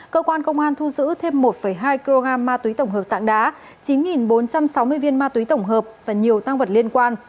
cơ quan công an thu giữ thêm một hai kg ma túy tổng hợp sạng đá chín bốn trăm sáu mươi viên ma túy tổng hợp và nhiều tăng vật liên quan